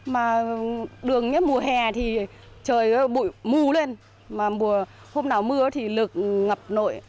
mà đường mùa hè thì trời mù lên mà hôm nào mưa thì lược ngập nội